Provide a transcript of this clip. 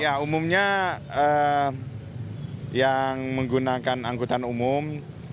ya umumnya yang menggunakan angkutan umum